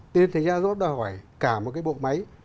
thế nên thật ra rõ ràng đòi hỏi cả một cái bộ máy